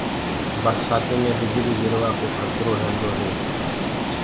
برسآتي مي بجلي گرجوآ ڪو کترو رهيندو هي۔